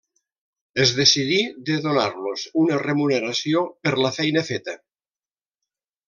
Es decidí de donar-los una remuneració per la feina feta.